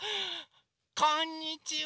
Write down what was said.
こんにちは！